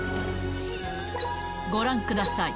ご覧ください